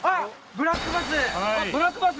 ブラックバス？